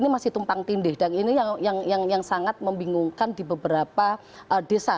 ini masih tumpang tindih dan ini yang sangat membingungkan di beberapa desa